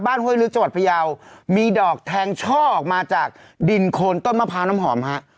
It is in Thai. ห้วยลึกจังหวัดพยาวมีดอกแทงช่อออกมาจากดินโคนต้นมะพร้าวน้ำหอมฮะ